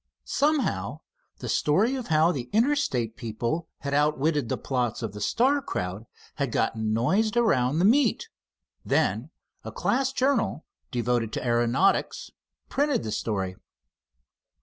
Somehow the story of how the Interstate people had outwitted the plots of the Star crowd had gotten noised around the meet. Then a class journal devoted to aeronautics printed the story.